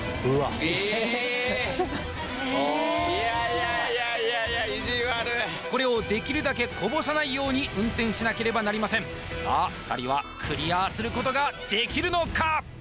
へえ面白いいやいやいやいや意地悪これをできるだけこぼさないように運転しなければなりませんさあ２人はクリアすることができるのか？